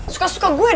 suka suka gue dong